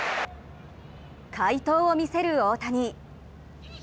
快投を見せる大谷。